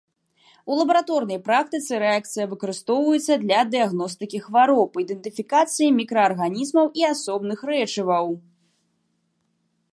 У лабараторнай практыцы рэакцыя выкарыстоўваецца для дыягностыкі хвароб, ідэнтыфікацыі мікраарганізмаў і асобных рэчываў.